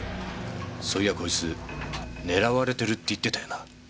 そういやこいつ狙われてるって言ってたよな？